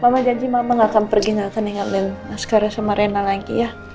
mama janji mama gak akan pergi gak akan ingatin askaran sama rena lagi ya